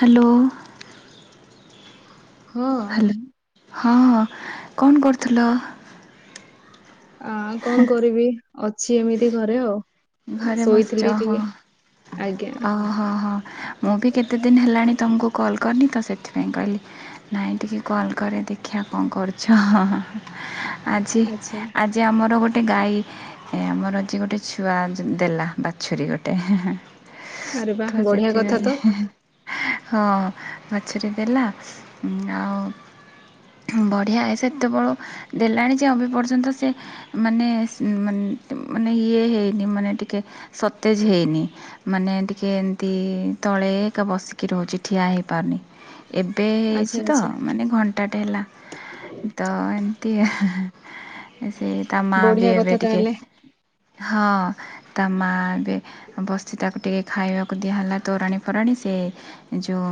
Hello. ହଁ hello ହଁ କଣ କରୁଥିଲ? ଆ କଣ କରିବି ଅଛି ଏମିତି ଘରେ ଆଉ। ଘରେ ବସିଛ ଶୋଇଥିଲି ଟିକେ ଆଜ୍ଞା। ଓହୋ ହଁ ହଁ ମୁଁ ବି କେତେ ଦିନ ହେଲାଣି ତମକୁ କଲ୍ କରିନି ତ ସେଥିପାଇଁ କହିଲି। ନାଇଁ ଟିକେ କଲ୍ କରେ ଦେଖିଆ କଣ କରୁଚ। ଆଜି ଆଚ୍ଛା ଆଜି ଆମର ଗୋଟେ ଗାଈ ଆମର ଆଜି ଗୋଟେ ଛୁ ଛୁଆ ଦେଲା ବାଛୁରୀ ଗୋଟେ ଆରେ ବା ତ ବଢିଆ କଥା ତ ସେଥିପାଇଁ ହଁ ବାଛୁରୀ ଦେଲା ଆଉ ବଢ଼ିଆ ଏ ସେ ଏତେବେଳୁ ଦେଲାଣି ଯେ ଅବି ପର୍ଯ୍ୟନ୍ତ ସେ ମାନେ ମାନେ ଇଏ ହେଇନି ମାନେ ଟିକେ ସତେଜ ହେଇନି। ମାନେ ଟିକେ ଏମିତି ତଳେ ଏକ ବସିକି ରହୁଛି ଠିଆ ହେଇପାରୁନି। ଏବେ ଆଚ୍ଛା ହେଇଛି ତ ଆଚ୍ଛା ମାନେ ଘଣ୍ଟାଟେ ହେଲା ତ ଏମିତି ସେଇ ତା ମା ବି ବଢିଆ ଏବେ କଥା ଟିକେ ତାହେଲେ ହଁ ତା ମା ଏବେ ବସି ତାକୁ ଟିକେ ଖାଇବାକୁ ଦିଆହେଲା ତୋରାଣୀ ଫରାଣୀ ସେ ଯଉଁ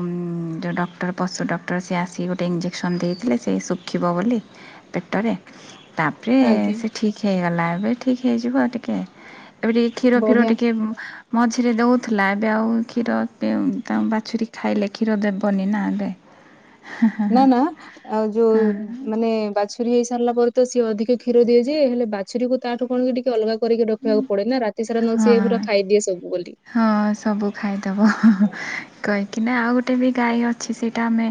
ଯଉ ଡକ୍ଟର ପଶୁ ଡକ୍ଟର ସେ ଆସିକି ଗୋଟେ ଇଞ୍ଜେକ୍ସନ୍ ଦେଇଥିଲେ ସେ ଶୁଖିବ ବୋଲି। ପେଟରେ ତାପରେ ଆଜ୍ଞା ସେ ଠିକ୍ ହେଇଗଲା ଏବେ ଠିକ୍ ହେଇଯିବ ଟିକେ। ଏବେ ଟିକେ କ୍ଷୀର ଫିର ବଢିଆ ଟିକେ ମଝିରେ ଦଉଥିଲା ଏବେ ଆଉ କ୍ଷୀର ତା ବାଛୁରୀ ଖାଇଲେ କ୍ଷୀର ଦେବନି ନା ଏବେ ହ ନା ନା ଆଉ ଯୋଉ ମାନେ ବାଛ ବାଛୁରୀ ହେଇସାରିଲା ପରେ ତ ସିଏ ଅଧିକ କ୍ଷୀର ଦିଏ ଯେ ହେଲେ ବାଛୁରୀକୁ ତାଠୁ କଣ କି ଟିକେ ଅଲଗା କରିକି ରଖିବାକୁ ପଡେ ନା ରାତି ସାରା ନ ସିଏ ହଁ ପୁରା ଖାଇଦିଏ ସବୁ ବୋଲି। ହଁ ସବୁ ଖାଇଦବ କହିକିନା ଆଉ ଗୋଟେ ବି ଗାଈ ଅଛି ସେଇଟା ଆମେ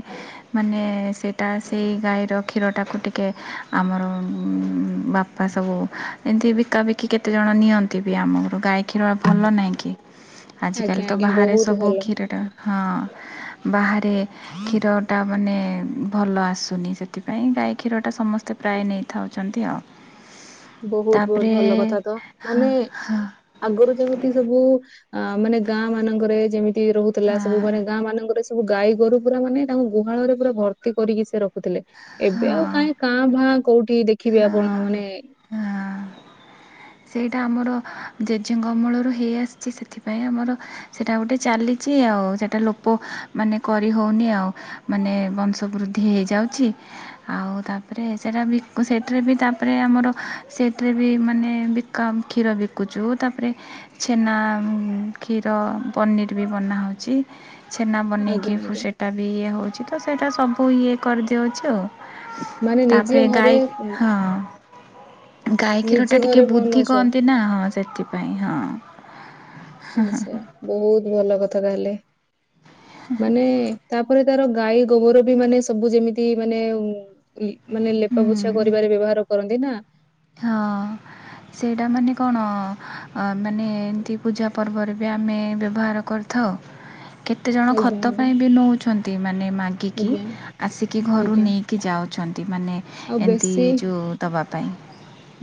ମାନେ ସେଇଟା ସେଇ ଗାଈର କ୍ଷୀରଟାକୁ ଟିକେ ଆମର ବା ବାପା ସବୁ ଏମିତି ବିକାବିକି କେତେଜଣ ନିଅନ୍ତି ବି ଆମ ଘରୁ ଗାଈ କ୍ଷୀର ଭଲ ନାହିଁ କି। ଆଜିକାଲି ଆଜ୍ଞା ତ ଆଜ୍ଞା ବାହାରେ ବହୁତ ସବୁ ଭଲ କ୍ଷୀରଟା ହଁ ବାହାରେ କ୍ଷୀରଟା ମାନେ ଭଲ ଆସୁନି ସେଥିପାଇଁ ଗାଈ କ୍ଷୀରଟା ସମସ୍ତେ ପ୍ରାୟ ନେଇଥାଉଛନ୍ତି ଆଉ। ବହୁତ ବହୁତ ତାପରେ ଭଲ କଥା ତ ହଁ ମାନେ ହଁ ଆଗରୁ ଯେମିତି ସବୁ ଅ ମାନେ ଗାଁ ମାନଙ୍କରେ ଯେମିତି ରହୁଥିଲା ସବୁ ମାନେ ହଁ ଗାଁ ମାନଙ୍କରେ ସବୁ ଗାଈ ଗୋରୁ ପୁରା ମାନେ ତାଙ୍କୁ ଗୁହାଳରେ ପୁରା ଭର୍ତ୍ତି କରିକି ସେ ରଖୁଥିଲେ ଏବେ ଆଉ ହଁ କାହିଁ କାଁ ଭାଁ କୋଉଠି ଦେଖିବେ ହଁ ଆପଣ ମାନେ ହଁ ସେଇଟା ଆମର ଜେଜେଙ୍କ ଅମଳରୁ ହେଇ ଆସିଛି ସେଥିପାଇଁ ଆମର ସେଟା ଗୋଟେ ଚାଲିଚି ଆଉ ସେଟା ଲୋପ ମାନେ କରି ହଉନି ଆଉ। ମାନେ ବଂଶ ବୃଦ୍ଧି ହେଇଯାଉଛି। ଆଉ ତାପରେ ସେଟା ବି ସେଠେରେ ବି ତାପରେ ଆମର ସେଠେରେ ବି ମାନେ କାମ୍ ଖୀର ବକୁଚୁ ତାପରେ ଛେନା କ୍ଷୀର ପନିର ବି ବନାହଉଛି। ଛେନା ଆଜ୍ଞା ବନେଇକି ଆଜ୍ଞା ସେଟା ବି ଇଏ ହଉଛି ତ ସେଟା ସବୁ ଇଏ କରିଦିଉଛି ଆଉ। ମାନେ ନିଜେ ତାପରେ ଗାଈ ଘରେ ଉଁ, ହଁ ଗାଈ କ୍ଷୀର ନିଜେ ଟା ଟିକେ ଘରେ ବୁଦ୍ଧ ବନଉଛ ନା ହଁ ସେଥିପାଇଁ ହଁ। ଆଛା ବହୁତ ଭଲ କଥା ମାନେ ତାପରେ ତାର ଗାଈ ଗୋବର ବି ମାନେ ସବୁ ଯେମିତି ମାନେ କି ମାନେ ଲେପା ପୋଛା ହୁଁ କରିବାରେ ବ୍ୟବହାର କରନ୍ତି ନା। ହଁ। ସେଇଟା ମାନେ କଣ ମାନେ ଏମିତି ପୂଜା ପର୍ବରେ ବି ଆମେ ବ୍ୟବହାର କରିଥାଉ। ହ କେତେଜଣ ଆଜ୍ଞା ଖତ ଆଜ୍ଞା ପାଇଁ ବି ନଉଛନ୍ତି ମାନେ ମାଗିକି ଆଜ୍ଞା ଆସିକି ଘରୁ ଆଜ୍ଞା ନେଇ କି ଯାଉଛନ୍ତି ମାନେ ଆଉ ଏମିତି ବେଶୀ ଯଉ ଦେବା ପାଇଁ।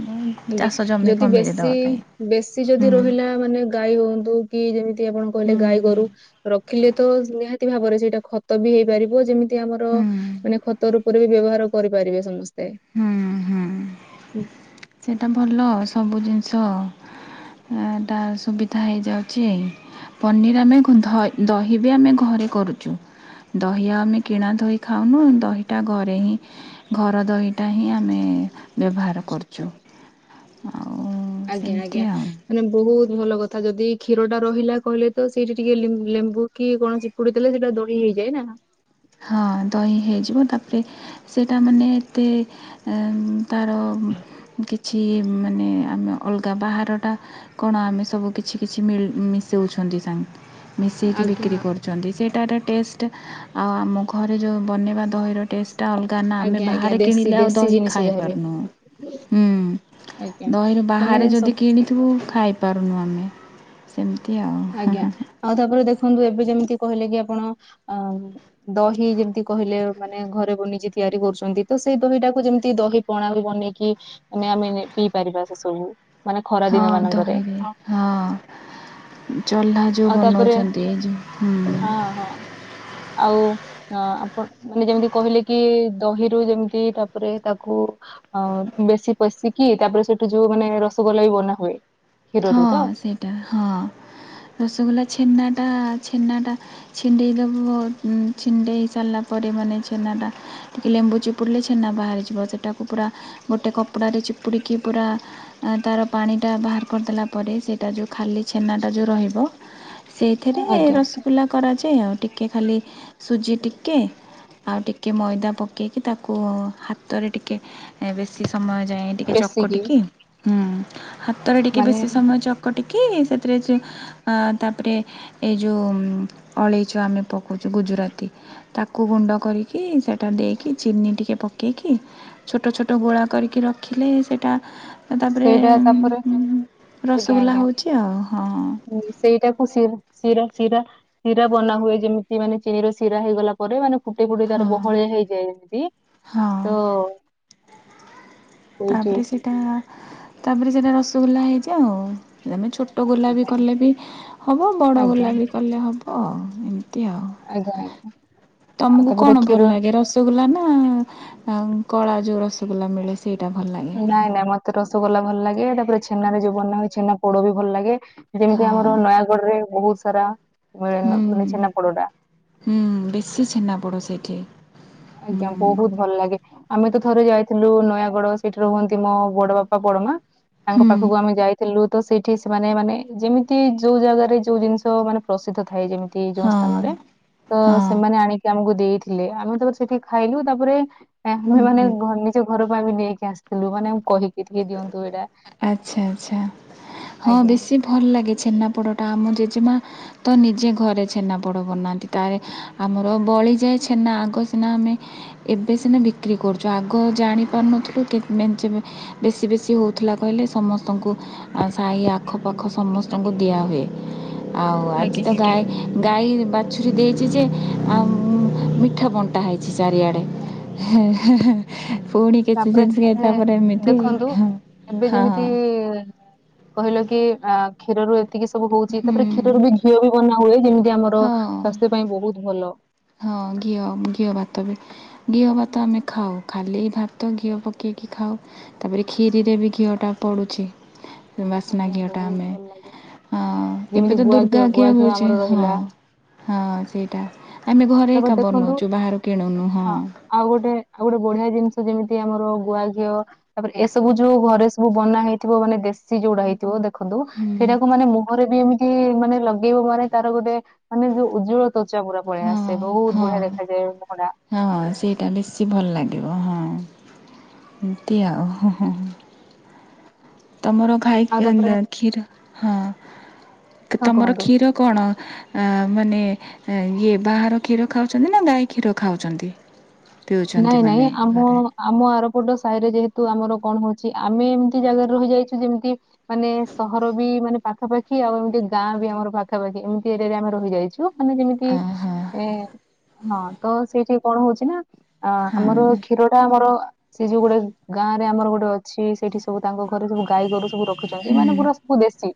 ଉଁ, ଆଜ୍ଞା ଚାଷ ଜମି ଯଦି ଫମିରେ ବେଶୀ ଦବା ପାଇଁ ବେଶୀ ଯଦି ହୁଁ ରହିଲା ମାନେ ଗାଈ ହୁଅନ୍ତୁ କି ଯେମି ତି ଆପଣ କହିଲେ ଗାଈ ହୁଁ। ଗୋରୁ ରଖିଲେ ତ ନିହାତି ଭାବରେ ସେଇଟା ଖତ ବି ହେଇପାରିବ ଯେମି ତି ଆମର ହୁଁ ମାନେ ଖତ ରୂପରେ ବି ବ୍ୟବହାର କରିପାରିବେ ସମସ୍ତେ। ହୁଁ ହୁଁ। ହୁଁ, ସେଟା ଭଲ ସବୁ ଜିନିଷ। ଏଟା ସୁବିଧା ହେଇଯାଉଛି। ପନିର ଆମେ ଧ ଦହି ବି ଆମେ ଘରେ କରୁଛୁ। ଦହି ଆମେ କିଣା ଦହି ଖାଉନୁ ଦହିଟା ଘରେ ହିଁ ଘର ଦହିଟା ହିଁ ଆମେ ବ୍ୟବହାର କରୁଛୁ। ଆଉ ଆଜ୍ଞା ଆଜ୍ଞା। ସେମିତି ଆଉ ମାନେ ବହୁତ ଭଲ କଥା ଯଦି କ୍ଷୀର ଟା ରହିଲା କହିଲେ ତ ସେଇଠି ଟିକେ ଲେମ୍ବୁ କି କଣ ଚିପୁଡିଦେଲେ ସେଇଟା ଦହି ହେଇଯାଏ ନା। ହଁ ଦହି ହେଇଯିବ ତାପରେ ସେଇଟା ମାନେ ଏତେ ଏ ତାର କିଛି ମାନେ ଆମେ ଅଲଗା ବାହାରଟା କଣ ଆମେ ସବୁ କିଛି କିଛି ମିଲ ମିଶଉଛନ୍ତି ସାଙ୍ଗେ ମିଶେଇକି ଆଜ୍ଞା ବିକ୍ରି କରୁଛନ୍ତି ସେଇଟାର ଟେଷ୍ଟ୍ ଆଉ ଆମ ଘରେ ଯେଉଁ ବନେଇବା ଦହିର ଟେଷ୍ଟ୍ ଟା ଅଲଗା ନା ଆମେ ଆଜ୍ଞା ଆଜ୍ଞା ବାହାରେ ଦେଶୀ କିଣିଲେ ଆଉ ଦେଶୀ ଦହି ଜିନିଷ ଖାଇ ଯାହାବି ପାରୁନୁ ହୁଁ। ଆଜ୍ଞା ଦହିରୁ ମାନେ ବାହାରେ ସବୁ ଯଦି କିଣିଥିବୁ ଖାଇବୁ। ପାରୁନୁ ଆମେ ସେମିତି ଆଉ। ଆଜ୍ଞା ଆଉ ତାପରେ ଦେଖନ୍ତୁ ଏବେ ଯେମିତି କହିଲେ କି ଆପଣ ଅ ଦହି ଯେମିତି କହିଲେ ମାନେ ଘରେ ବନିଛିି ତିଆରି କରୁଛନ୍ତି ତ ସେଇ ଦହିଟାକୁ ଯେମିତି ଦହି ପଣା ବି ବନେଇକି ମାନେ ଆମେ ପିଇ ପାରିବା ସେ ସବୁ ମାନେ ଖରା ହଁ ଦିନ ମାନଙ୍କରେ। ଦହିରେ ହଁ ଚହ୍ଲା ଯୋଉ ବନଉଛନ୍ତି ଏ ଯୋଉ ହୁଁ। ହ ହଁ ଆଉ ହଁ ଆପଣ ମାନେ ଯେମିତି କହିଲେ କି ଦହିରୁ ଯେମିତି ତାପରେ ତାକୁ ହଁ ବେଶୀ ପଶିକି ତାପରେ ସେଇଠୁ ଯୋଉ ମାନେ ରସଗୋଲା ବି ବନା ହୁଏ। କ୍ଷୀରରୁ ହଁ ତ ସେଇଟା ହଁ ରସଗୋଲା ଛେନାଟା ଛେନାଟା ଛିଣ୍ଡେଇଦବୁ ଛିଣ୍ଡେଇ ସାରିଲା ପରେ ମାନେ ଛେନା ଟା। ଟିକେ ଲେମ୍ବୁ ଚିପୁଡ଼ିଲେ ଛେନା ବାହାରିଯିବ ସେଟାକୁ ପୁରା ଗୋଟେ କପଡାରେ ଚିପୁଡ଼ିକି ପୁରା ଆଉ ତାର ପାଣି ଟା ବାହାର କରି ଦେଲା ପରେ ସେଟା ଯୋଉ ଖାଲି ଛେନାଟା ଯୋଉ ରହିବ ସେଇଥିରେ ଆଜ୍ଞା ଆଜ୍ଞା ରସଗୋଲା କରାଯାଏ ଆଉ ଟିକେ ଖାଲି ସୁଜି ଟିକେ ଆଉ ଟିକେ ମଇଦା ପକେଇକି ତାକୁ ହାତରେ ଟିକେ ବେଶୀ ସମୟ ଯାଏ ଟିକେ ଟିକେ ବେଶିକି ଚକଟିକି ହୁଁ ହାତରେ ଟିକେ ମାନେ ବେଶୀ ସମୟ ଚକଟିକି ସେଥିରେ ଆ ତାପରେ ଏଇ ଯୋଉ ଅଳେଇଚ ଆମେ ପକଉଛୁ ଗୁଜୁରାତି ତାକୁ ଗୁଣ୍ଡ କରିକି ସେ ଟା ଦେଇକି ଚିନି ଟିକେ ପକେଇକି ଛୋଟ ଛୋଟ ଗୋଳା କରିକି ରଖିଲେ ସେଇଟା ଆଉ ତାପରେ ସେଇଟା ତାପରେ ଆଜ୍ଞା ରସଗୋଲା ଆଜ୍ଞା ହେଉଛି ଆଉ ହଁ। ସେଇଟାକୁ ଶି ଶିରା ଶିରା ଶିରା ବନାହୁଏ ଯେମିତି ମାନେ ଚିନିର ଶିରା ହେଇଗଲା ପରେ ମାନେ ଫୁଟି ଫୁଟି ହଁ ତାର ବହଳିଆ ହେଇଯାଏ ଯେମିତି ହଁ ତ ସେଇଠି ତାପରେ ସେଇଟା ତାପରେ ସେଇଟା ରସଗୋଲା ହେଇଯାଏ ଆଉ ଆମେ ଛୋଟ ଛୋଟ ଗୋଲା ବି ଆଜ୍ଞା କଲେ ବି ହେବ ବଡ଼ ଆଜ୍ଞା ଗୋଲା ବି କଲେ ହେବ ଏମିତି ଆଉ। ଆଜ୍ଞା ଆ ତମକୁ କଣ ଭଲ ଲାଗେ ରସଗୋଲା ନା ଆଉ କଳା ଯୋଉ ରସଗୋଲା ମିଳେ? ଦିଇଟା ଭଲ ଲାଗେ। ନାଇଁ ନାଇଁ ମତେ ରସଗୋଲା ଭଲ ଲାଗେ ଏଟା ପୁରା ଛେନାରେ ଯୋଉ ବନା ହୁଏ ଛେନା ପୋଡ ବି ଭଲ ଲାଗେ। ଯେମିତି ଆମର ହଁ ନୟାଗଡ ରେ ବହୁତ ସାରା ହୁଁ ମିଳେନା ଛେନାପୋଡ ଟା। ହୁଁ ବେଶୀ ଛେନାପୋଡ଼ ସେଇଠି। ହୁଁ ଆଜ୍ଞା ବହୁତ ଭଲ ଲାଗେ। ଆମେ ତ ଥରେ ଯାଇଥିଲୁ ନୟାଗଡ ସେଇଠି ର ହୁଅନ୍ତି ମୋ ବଡ ବାପା ବଡମା। ତାଙ୍କ ହୁଁ ପାଖକୁ ଆମେ ଯାଇଥିଲୁ ତ ସେଇଠି ସେମାନେ ମାନେ ଯେମିତି ଯୋଉ ଜାଗାରେ ଯୋଉ ଜିନିଷ ମାନେ ପ୍ରସିଦ୍ଧ ଥାଏ ଯେମିତି ଯୋଉ ହଁ ସ୍ଥାନରେ ତ ହଁ ସେମାନେ ଆଣିକି ଆମକୁ ଦେଇଥିଲେ। ଆମେ ତାପରେ ସେଠି ଖାଇଲୁ ତାପରେ ଆମେ ମାନେ ହୁଁ ଘ ନିଜ ଘର ପାଇଁ ବି ନେଇକି ଆସିଥିଲୁ ମାନେ କହିି ଟିକେ ଦିଅନ୍ତୁ ଏଇଟା ଆଚ୍ଛା ଆଚ୍ଛା। ହଁ ଆଜ୍ଞା। ବେଶୀ ଭଲ ଲାଗେ ଛେନାପୋଡ଼ଟା ଆମ ଜେଜେମା ତ ନିଜେ ଘରେ ଛେନାପୋଡ଼ ବନାନ୍ତି। ତାରେ ଆମର ବଳିଯାଏ ଛେନା ଆଗ ସିନା ଆମେ ଏବେ ସିନା ବିକ୍ରି କରୁଚୁ ଆଗ ଜାଣି ପାରୁନଥିଲୁ କେ ମେଞ୍ଚେ ଏ ବେଶୀ ବେଶୀ ହଉଥିଲା କହିଲେ ସମସ୍ତଙ୍କୁ ସାହି ଆଖପାଖ ସମସ୍ତଙ୍କୁ ଦିଆ ହୁଏ। ଆଉ ଆଜି ଆଜ୍ଞା ତ ଆଜ୍ଞା ଗାଈ ଗାଈ ବାଛୁରୀ ଦେଇଚି ଯେ ଆମ୍ ମିଠା ବଣ୍ଟା ହେଇଚି ଚାରିଆଡ଼େ। ହେ ହେ ହେ ପୁଣି କିଛି ତାପରେ ଜିନିଷ ଏ, ତାପରେ ମି ଦେଖନ୍ତୁ ଏବେ ଯେମିତି କହିଲ କି ଅଆ କ୍ଷୀରରୁ ଯେତିକି ସବୁ ହଉଚି ତାପରେ କ୍ଷୀର ହୁଁ ବି ଘିଅ ବି ବନା ହୁଏ। ଯେମିତି ଆମର ହଁ ସ୍ୱାସ୍ଥ୍ୟ ପାଇଁ ବହୁତ ଭଲ। ହଁ ଘିଅ ଘିଅ ଭାତ ବି ଘିଅ ଭାତ ଆମେ ଖାଉ। ଖାଲି ଭାତ ଘିଅ ପକେଇକି ଖାଉ। ତାପରେ କ୍ଷିରିରେ ବି ଘିଅ ଟା ପଡୁଚି। ବାସନା ଆଜ୍ଞା ଘିଅ ଟା ବହୁତ ଆମେ ଭଲ ଲାଗେ ହଁ ଯେମିତି ଏବେ ତ ଗୁଆ ଦୁର୍ଗା ଗୁଆ ଘିଅ ମିଳୁଚି। ଆମର ହଁ। ରହିଲା ହଁ ସେଇଟା ଆମେ ଘରେ ତାପରେ ଏକା ଦେଖନ୍ତୁ ବନଉଚୁ ବାହାରୁ କିଣୁନୁ। ହଁ। ଆଉ ଗୋଟେ ଆଉ ଗୋଟେ ବଢିଆ ଜିନିଷ ଯେମିତି ଆମର ଗୁଆ ଘିଅ ତାପରେ ଏସବୁ ଯୋଉ ଘରେ ସବୁ ବନା ହେଇଥିବ ମାନେ ଦେଶୀ ଯୋଉଡା ହେଇଥିବ ଦେଖ ଖନ୍ତୁ ହୁଁ ସେଇଟାକୁ ମାନେ ମୁହରେ ବି ଏମିତି ମାନେ ଲଗେଇବ ମାନେ ତାର ଗୋଟେ ମାନେ ଯୋଉ ଉଜ୍ଜଳ ତ୍ୱଚା ପୁରା ପଳେଆ ହଁ ଆସେ ବହୁତ ହଁ ବଢିଆ ଦେଖାଯାଏ ମୁହଁ ଟା। ହଁ ସେଇଟା ବେଶୀ ଭଲ ଲାଗିବ ହଁ ଏମିତି ଆଉ। ହୁଁ ହୁଁ। ତମର ଘାଇ ଆଉ ତାପରେ ଇ-ଇ-କ୍ଷୀର ହଁ ହଁ ତ-ତମର କୁହନ୍ତୁ କ୍ଷୀର କଣ ମାନେ? ଇଏ ବାହାର କ୍ଷୀର ଖାଉଚନ୍ତି ନା ଗାଈ କ୍ଷୀର ଖାଉଚନ୍ତି? ନାଇଁ ପିଉଚନ୍ତି ନାଇଁ ମାନେ ଆମ ଘରେ। ଆମ ଆରପଟ ସାହି ରେ ଯେହେତୁ ଆମର କଣ ହଉଚି ଆମେ ଏମିତି ଜାଗାରେ ରହିଯାଇଚୁ ଯେମିତି ମାନେ ସହର ବି ମାନେ ପାଖାପାଖି ଆଉ ଏମିତି ଗାଁ ବି ଆମର ପାଖାପାଖି ଏମିତି ଏରିଆ ରେ ଆମେ ରହିଯାଇଚୁ। ମାନେ ଯେମିତି ଓହୋ ଏ ହଁ ତ ସେଇଠିକି କଣ ହଉଚି ନା ଅ ହଁ ଆମର କ୍ଷୀର ଟା ଆମର ସେ ଯୋଉ ଗୋଟେ ଗାଁରେ ଆମର ଗୋଟେ ଅଛି ସେଇଠି ସବୁ ତାଙ୍କ ଘରେ ସବୁ ଗାଈ ଗୋରୁ ସବୁ ର ରଖୁଛନ୍ତି ହୁଁ ମାନେ ପୁରା ସବୁ ଦେଶୀ।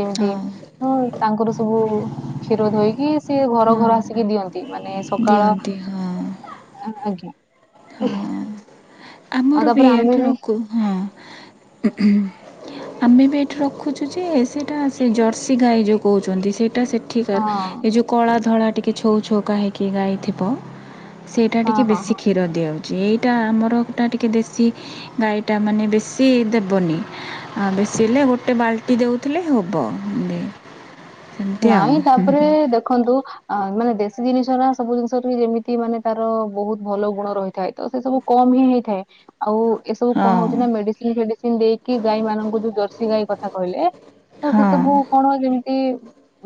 ଯେମିତି ହଉ ହଁ ତାଙ୍କର ସବୁ କ୍ଷୀର ଧୋଇକି ସିଏ ଘର ଘର ହଁ ଆସିକି ଦିଅନ୍ତି। ମାନେ ସକାଳ ଦିଅନ୍ତି ହଁ ଆ-ଆଜ୍ଞା। ହଁ ଆମର ବି ଇଆଠୁ ରଖୁ ହଁ। ଆମେ ବି ଏଇଠି ରଖୁଚୁ ଯେ ସେଇଟା ସେ ଜର୍ସି ଗାଈ ଯେଉଁ କହୁଚନ୍ତି। ସେଇଟା ସେ ଠିକାର୍ ହଁ ଏ ଯେଉଁ କଳା ଧଳା ଟିକେ ଛଉ ଛଉକା ହେଇକି ଗାଇ ଥିବ ସେଇଟା ହଁ ଟିକେ ହଁ ବେଶୀ ହଁ ଖି ଦିଆଉଛି ଏଇଟା ଆମରଟା ଟିକିଏ ଦେଶୀ ଗାଈଟା ମାନେ ବେଶୀ ଦେବନି। ଆ ବେଶୀ ହେଲେ ଗୋଟେ ବାଲ୍ଟି ଦେଉଥିଲେ ହବ। ନାଇଁ ତାପରେ ଦେଖନ୍ତୁ। ଆ ମାନେ ଦେଶୀ ଜିନିଷରା ସବୁ ଜିନିଷ ବି ଯେମିତି ମାନେ ତାର ବହୁତ୍ ଭଲ ଗୁଣ ରହିଥାଏ। ତ ସେ ସବୁ କମ୍ ହିଁ ହେଇଥାଏ। ଆଉ ଏସବୁ ହଁ କଣ ହଉଚି ନାଁ ମେଡ଼ିସିନ୍ ଫେଡ଼ିସିନ୍ ଦେଇକି ଗାଈ ମାନଙ୍କୁ ଯୋଉ ଜର୍ସି ଗାଈ କଥା କହିଲେ। ତ ହଁ ସେ ସବୁ କଣ ଯେମିତି କି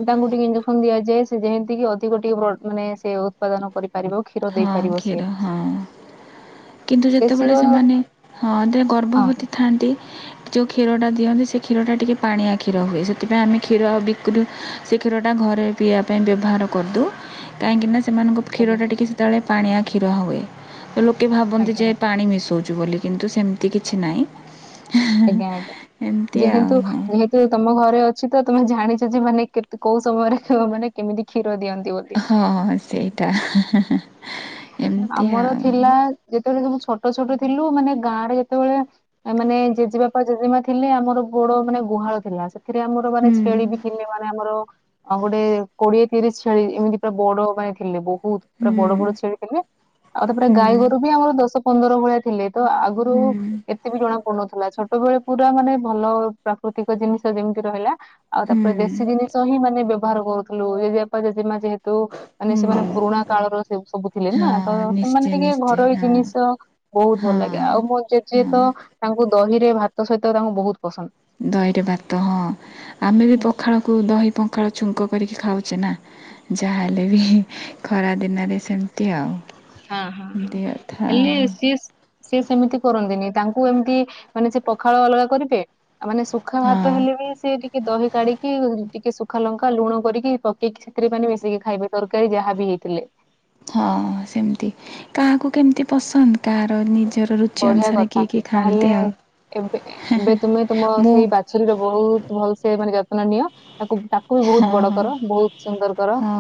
ତାଙ୍କୁ ଟିକେ ଇଞ୍ଜେକ୍ସନ୍ ଦିଆଯାଏ ସେ ଯେମତିକି ଅଧିକ ଟିକେ ବ ମାନେ ସେ ଉତ୍ପାଦନ କରି ପାରିବ କ୍ଷୀର ହଁ ଦେଇପାରିବ ସିଏ। କ୍ଷୀର ହଁ। କିନ୍ତୁ ଆଉ ଦେଶୀର ଯେତେବେଳେ ହଁ ସେମାନେ ହଁ ତେ ଗର୍ଭବତୀ ଆଜ୍ଞା ଥାଆନ୍ତି ଯେଉଁ କ୍ଷୀରଟା ଦିଅନ୍ତି ସେ କ୍ଷୀରଟା ଟିକେ ପାଣିଆ କ୍ଷୀର ହୁଏ ସେଥିପାଇଁ ଆମେ କ୍ଷୀର ବିକ୍ରିରୁୁ ସେ କ୍ଷୀରଟା ଘରେ ପିଇବା ପାଇଁ ବ୍ୟବହାର କରିଦଉ କାହିଁକିନା ସେମାନଙ୍କ ଆଜ୍ଞା କ୍ଷୀରଟା ଆଜ୍ଞା ଟିକଏ ସେତେବେଳେ ପାଣିଆ କ୍ଷୀର ହୁଏ ତ ଲୋକେ ଭାବନ୍ତି ଯେ ଆଜ୍ଞା ପାଣି ମିଶୋଉ। ବୋଲିକିନି କିନ୍ତୁ ସେମତି କିଛି ନାଇଁ ଏମତି ଆଉ। ତ ତମ ଘରେ ଅଛି ତ ତମେ ଜାଣିଚ ଯେ ମାନେ କେ କୋଉ ସମୟରେ ମାନେ ଖେ କେମିତି କ୍ଷୀର ଦିଅନ୍ତି ବୋଲି। ହଁଁ ସେଇଟା ହେ ହେ ସେ। ଆମର ଥିଲା ଯେତେବେଳେ ସବୁ ଛୋଟ ଛୋଟ ଥିଲୁ ମାନେ ଗାଁ ରେ ଯେତେବେଳେ ମାନେ ଜେଜେବାପା ଜେଜେମା ଥିଲେ ଆମର ବୋଡ ମାନେ ଗୁହାଳ ଥିଲା ସେ ଏଥିରେ ଆମର ମାନେ ହୁଁ ଛେଳି ବି ଥିଲେ ମାନେ ଆମର ଆଁ ଗୋଟେ କୋଡିଏ ତିରିଶ୍ ଛେଳି ଏମିତି ପୁରା ବଡ ମାନେ ଥିଲେ ବହୁତ୍ ପୁରା ହୁଁ ବଡ ବଡ। ଛେଳି ଥିଲେ ଆଉ ତାପରେ ହୁଁ ଗାଈ ଗୋରୁ ବି ଆମର ଦଶ ପନ୍ଦର ଭଳିଆ ଥିଲେ ତ ଆଗରୁ ହୁଁ ଏ କେତ ବି ଜଣା ପଡୁନଥିଲା ଛୋଟବେଳଳେ ପୁରା ମାନେ ଭଲ ପ୍ରାକୃତିକ ଜିନିଷ ଯେମିତି ରହିଲା। ଆଉ ହୁଁ ତାପରେ ଦେଶୀ ଜିନିଷ ହିଁ ମାନେ ବ୍ୟବହାର କରୁଥିଲୁ ଜେଜେବାପା ଜେଜେମା ଯେହେ ତ ମାନେ ସେମାନେ ହୁଁ ପୁରୁଣା କାଳର ସବୁ ଥିଲେ ନାଁ ହଁ ତ ସେମାନେ ନିଶ୍ଚୟ ଟିକେ ନିଶ୍ଚୟ ଘରୋଇ ହଁ ଜିନିଷ ବହୁତ୍ ଭଲ ହଁ ଲାଗେ ଆଉ ମୋ ଜେଜେ ହଁ ତ ତାଙ୍କୁ ଦହିରେ ଭାତ ସହିତ ତାଙ୍କୁ ବହୁତ୍ ପସନ୍ଦ। ଦହିରେ ଭାତ ହଁ ଆମେ ବି ପଖାଳକୁ ଦହି ପଖାଳ ଛୁଙ୍କ କରିକି ଖାଉଛେ ନାଁ। ଯାହାହେଲେ ବି ଖରା ଦିନରେ ସେମତି ଆଉ। ହଁ ହଁ ହଁ ଏମିତି କଥା ଏଲେ ଆଉ। ଏସି ସେ ସେମତି କରନ୍ତିନି ତାଙ୍କୁ ଏମିତି ମାନେ ସେ ପଖାଳ ଅଲଗା କରିବେ ମାନେ ସ ସୁଖା ଭାତ ହଁ ହେଲେ ବି ସେ ଟିକେ ଦହି କାଢ଼ିକି ଟିକେ ସୁଖା ଲଙ୍କା ଲୁଣ କରିକି ପକେଇକି ଛେତ୍ରୀ ମାନେ ମିଶିକି ଖାଇବେ ତରକାରୀ ଯାହା ବି ହେଇଥିଲେ। ହଁ ସେମତି କାହାକୁ କେମିତି ପସନ୍ଦ କାହାର ନିଜର ରୁଚି ବଢିଆ ଅନୁସାରେ କଥା କିଏ କିଏ ଖାଆନ୍ତି ତାହେଲେ ଆଉ। ଏବେ ଏବେ ତମେ ତମ ମୁଁ ସେଇ ବା ଛୁରୀର ବହୁତ୍ ଭଲ ସେ ମାନେ ଯତ୍ନ ନିଅ ତାକୁ ତାକୁ ବି ହଁ ବହୁତ୍ ବଡ ହଁ କର ବହୁତ୍ ସୁନ୍ଦର କର। ହଁ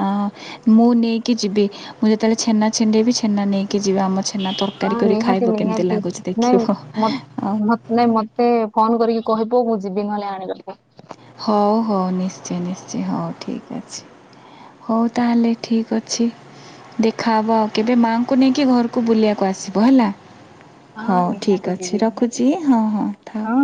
ହଁ ମୁଁ ନେଇକି ଯିବି ମୁଁ ଯେତେବେଳେ ଛେନା ଛେଣ୍ଡେଇବି ଛେନା ନେଇକି ଯିବି ଆମ ହେଲା ହଁ ତରକାରୀ କରି ନିହାତି ଖାଇବ କେମିତି ନିହାତି ଲାଗୁଚି ନାଇଁ ଦେଖିବ ମ ଆଉ‌। ମ- ନାଇଁ ମତେ ଫୋନ୍ କରିକି କହିବୁ ମୁଁ ଯିବି ନହେଲେ ଆଣିବାକୁ। ହଉ ହଉ ନିଶ୍ଚୟ ନିଶ୍ଚୟ ହଉ ଠିକ୍ ଅଛି। ହଉ ତାହେଲେ ଠିକ୍ ଅଛି। ଦେଖାହେବ ଆଉ କେବେ ମାଆଙ୍କୁ ନେଇକି ଘରକୁ ବୁଲିବାକୁ ଆସିବ ହେଲା। ହଁ ହଉ ଠିକ୍ ନିହାତି ଯିବି ଅଛି ନିହାତି ରଖୁଚି ଯିବି ହଁ ହଁ ଥାଉ।